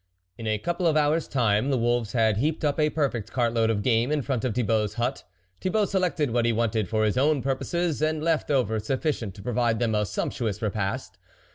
In a couple of hours' time the wolves had heaped up a perfect cart load of game in front of Thibault's hut. Thibault selected what he wanted for his own purposes, and left over sufficient to provide them a sumptuous repast.